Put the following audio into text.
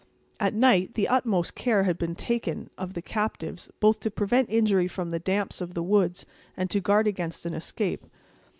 At night, the utmost care had been taken of the captives, both to prevent injury from the damps of the woods and to guard against an escape.